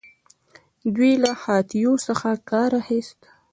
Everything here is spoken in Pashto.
دوی له هاتیو څخه کار اخیست